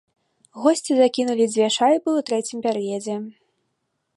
Госці закінулі дзве шайбы ў трэцім перыядзе.